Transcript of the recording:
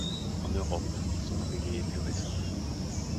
En Europe, son arrivée est plus récente.